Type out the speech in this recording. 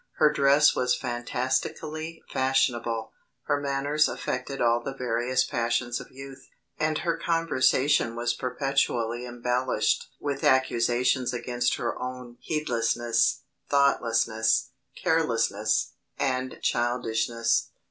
Her dress was fantastically fashionable, her manners affected all the various passions of youth, and her conversation was perpetually embellished with accusations against her own "heedlessness, thoughtlessness, carelessness, and childishness."